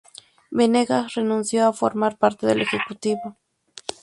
Benegas renunció a formar parte del ejecutivo.